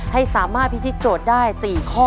ให้สามารถพิธีโจทย์ได้๔ข้อ